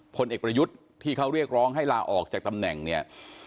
พลเอกประยุทธ์ที่เขาเรียกร้องให้ลาออกจากตำแหน่งเนี่ย